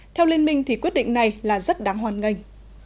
theo liên minh thì quyết định này là rất đáng hoàn ngành